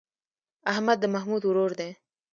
احمد د محمود ورور دی.